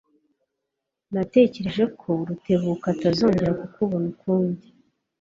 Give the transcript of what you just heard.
Natekereje ko Rutebuka atazongera kukubona ukundi.